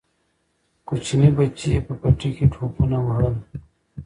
کوچني بچي یې په پټي کې ټوپونه وهل.